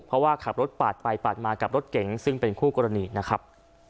เพราะว่าขับรถปาดไปปาดมากับรถเก๋งซึ่งเป็นคู่กรณีนะครับ